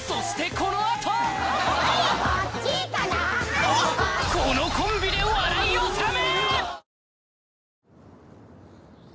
このコンビで笑い納め！